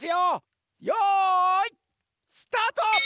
よいスタート！